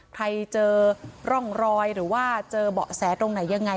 ใครเจอร่องรอยหรือว่าเจอเบาะแสตรงไหนยังไง